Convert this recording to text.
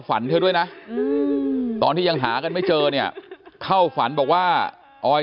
ฝันเธอด้วยนะตอนที่ยังหากันไม่เจอเนี่ยเข้าฝันบอกว่าออย